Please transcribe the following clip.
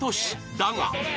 だが。